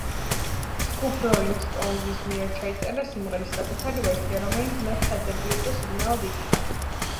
ჯგუფ როლინგ სტოუნზის მიერ ჩაიწერა სიმღერის საკუთარი ვერსია, რომელიც მის სადებიუტო სინგლად იქცა.